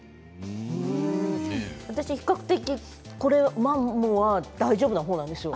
私、比較的これ、マンモは大丈夫なほうなんですよ。